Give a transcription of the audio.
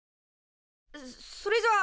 そそれじゃあ。